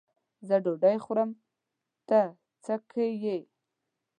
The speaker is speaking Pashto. زه ډوډۍ خورم؛ ته څه که یې.